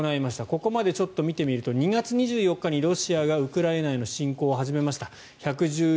ここまで見てみると２月２４日にロシアがウクライナへの侵攻を始めました。